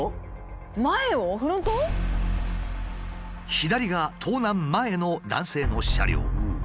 左が盗難前の男性の車両。